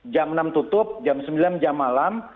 jam enam tutup jam sembilan jam malam